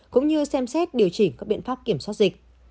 cũng như xem xét điều chỉnh các biện pháp kiểm soát dịch